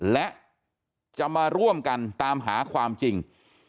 และจะมาร่วมกันตามหาความจริง